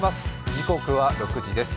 時刻は６時です。